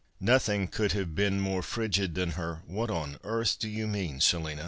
Nothing could have been more frigid than her " What on earth do you mean, Selina